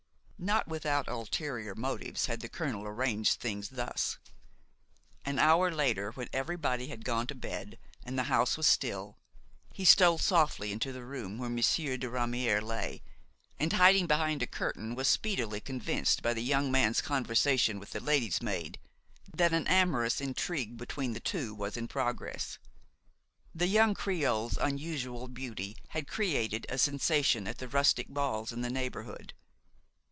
Not without ulterior motives had the colonel arranged things thus. An hour later, when everybody had gone to bed and the house was still, he stole softly into the room where Monsieur de Ramière lay, and, hiding behind a curtain, was speedily convinced, by the young man's conversation with the lady's maid, that an amorous intrigue between the two was in progress. The young creole's unusual beauty had created a sensation at the rustic balls in the neighborhood.